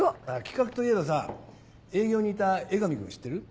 企画といえばさ営業にいた江上君知ってる？